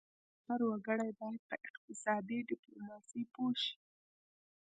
د هیواد هر وګړی باید په اقتصادي ډیپلوماسي پوه شي